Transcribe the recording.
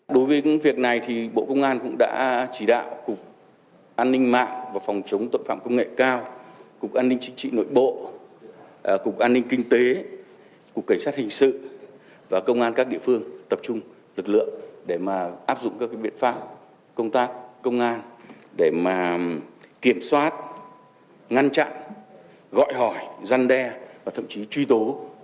đối với việc này thì bộ công an cũng đã chỉ đạo cục an ninh mạng và phòng chống tội phạm công nghệ cao cục an ninh chính trị nội bộ cục an ninh kinh tế cục cảnh sát hình sự và công an các địa phương tập trung lực lượng để mà áp dụng các biện pháp công tác công an để mà kiểm soát ngăn chặn gọi hỏi giăn đe và thậm chí truy tố